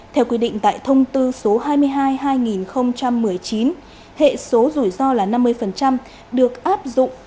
theo quy định tại thông tư số hai mươi hai hai nghìn một mươi chín hệ số rủi ro là năm mươi được áp dụng